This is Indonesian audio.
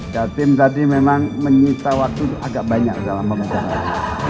jatim tadi memang mencinta waktu agak banyak dalam pembicaraan